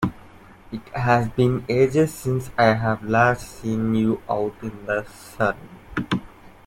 It has been ages since I've last seen you out in the sun!